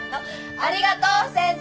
ありがとう先生！